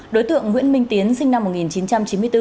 đối tượng nguyễn minh tiến sinh năm một nghìn chín trăm chín mươi bốn